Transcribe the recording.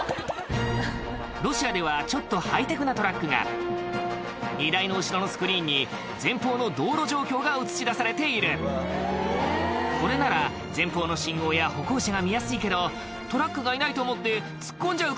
ロシアではちょっとハイテクなトラックが荷台の後ろのスクリーンに前方の道路状況が映し出されているこれなら前方の信号や歩行者が見やすいけどトラックがいないと思って突っ込んじゃう